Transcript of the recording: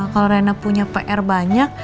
kalau rena punya pr banyak